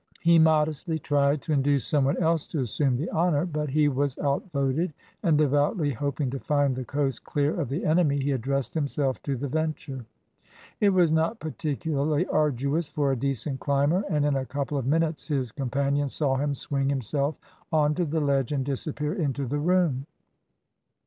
He modestly tried to induce some one else to assume the honour, but he was outvoted, and, devoutly hoping to find the coast clear of the enemy, he addressed himself to the venture. It was not particularly arduous for a decent climber, and in a couple of minutes his companions saw him swing himself on to the ledge, and disappear into the room.